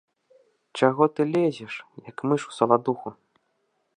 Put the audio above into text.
Чаго ты лезеш, як мыш у саладуху?